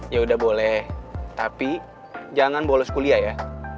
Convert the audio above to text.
yaudah boleh tapi jangan bolos kuliah ya